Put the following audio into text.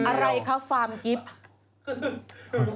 อะไรคะความกิฟต์